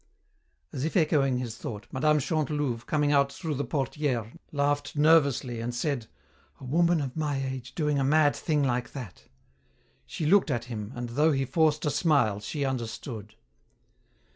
As if echoing his thought, Mme. Chantelouve, coming out through the portière, laughed nervously and said, "A woman of my age doing a mad thing like that!" She looked at him, and though he forced a smile she understood.